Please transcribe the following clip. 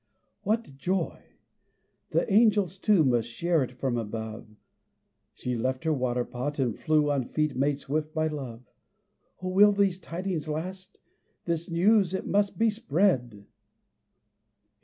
What joy! The angels too Must share it from above. She left her water pot, and flew On feet made swift by love. Oh, will these tidings last? This news, it must be spread!